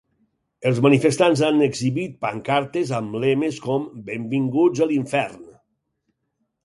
Els manifestants han exhibit pancartes amb lemes com ‘Benvinguts a l’infern’.